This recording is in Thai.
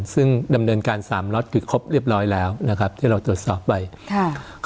ซึ่งดำเนินการสามล็อตคือครบเรียบร้อยแล้วนะครับที่เราตรวจสอบไปค่ะ